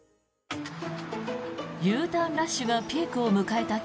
Ｕターンラッシュがピークを迎えた